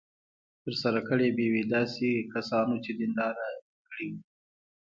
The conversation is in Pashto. ترسره کړې به وي داسې کسانو چې دینداره وګړي وو.